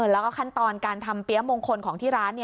แล้วก็ขั้นตอนการทำเปี๊ยะมงคลของที่ร้าน